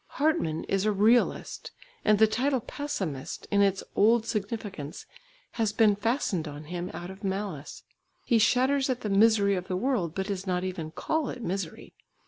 Hartmann is a realist, and the title "pessimist" in its old significance has been fastened on him out of malice. He shudders at the misery of the world, but does not even call it misery.